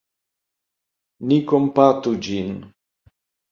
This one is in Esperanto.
Ni kompatu ĝin.